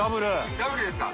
・ダブルですか？